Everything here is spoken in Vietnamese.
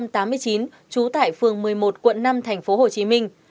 trú tại phường một mươi một quận năm thành phố hồ chí minh